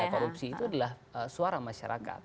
korupsi itu adalah suara masyarakat